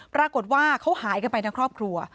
ปรากฏว่าเขาหายกันไปทั้งครอบครัว